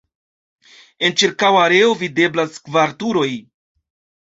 En ĉirkaŭa areo videblas kvar turoj.